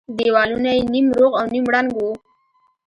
دېوالونه يې نيم روغ او نيم ړنگ وو.